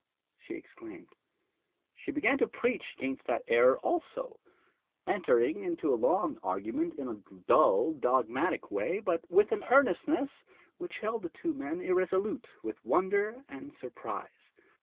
she exclaimed. She began to preach against that error also; entering into a long argument in a dull dogmatic way, but with an earnestness which held the two men irresolute with wonder and surprise.